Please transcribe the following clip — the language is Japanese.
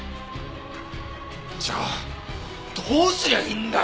じゃあどうすりゃいいんだよ！？